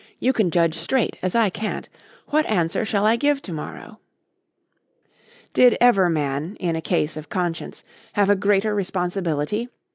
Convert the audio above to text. You can judge straight as I can't. What answer shall I give to morrow?" Did ever man, in a case of conscience, have a greater responsibility?